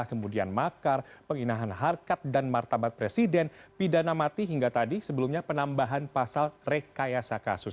kemudian makar penghinaan harkat dan martabat presiden pidana mati hingga tadi sebelumnya penambahan pasal rekayasa kasus